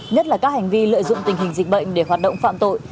nhất là các hành vi lợi dụng tình hình dịch bệnh để hoạt động phạm tội